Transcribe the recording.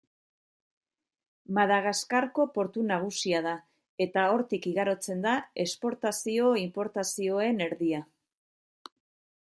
Madagaskarko portu nagusia da, eta hortik igarotzen da esportazio-inportazioen erdia.